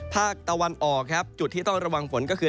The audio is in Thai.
ภาคตะวันออกครับจุดที่ต้องระวังฝนก็คือ